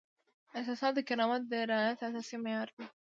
احساسات د کرامت د رعایت اساسي معیار دی.